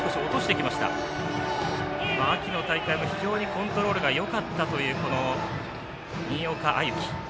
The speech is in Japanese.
秋の大会も非常にコントロールがよかったという新岡歩輝。